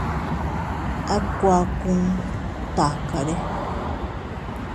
A kuakun takare.